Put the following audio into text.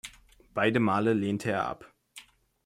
Beide Male lehnte er ab.